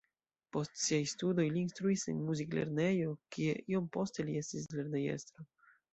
Post siaj studoj li instruis en muziklernejo, kie iom poste li estis lernejestro.